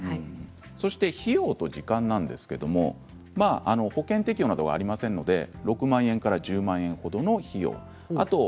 費用と時間なんですが保険適用がありませんので６万円から１０万円ほどかかります。